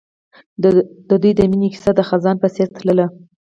د دوی د مینې کیسه د خزان په څېر تلله.